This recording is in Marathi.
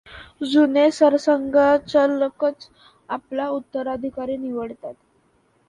जुने सरसंघचालकच आपला उत्तराधिकारी निवडतात.